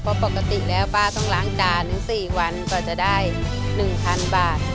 เพราะปกติแล้วป้าต้องล้างจานหนึ่งสี่วันก็จะได้หนึ่งพันบาท